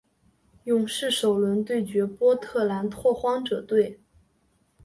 勇士首轮对决波特兰拓荒者队。